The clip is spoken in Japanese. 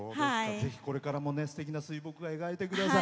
ぜひ、これからもすてきな水墨画描いてください。